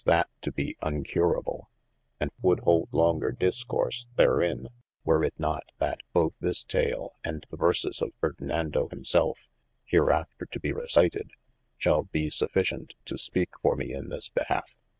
dd 417 THE ADVENTURES to be uncurable, and would hold longer discourse therin, were it not yt both this tale & the verses of Fefdinando him selfe hereafter to be recited, shalbe sufficiet to speake for me in this behalf.